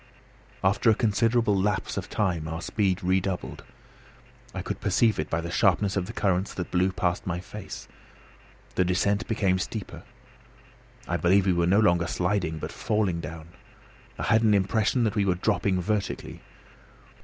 After a considerable lapse of time our speed redoubled. I could perceive it by the sharpness of the currents that blew past my face. The descent became steeper. I believe we were no longer sliding, but falling down. I had an impression that we were dropping vertically.